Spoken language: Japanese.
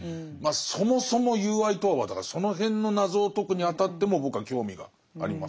そもそも友愛とはだからその辺の謎を解くにあたっても僕は興味があります。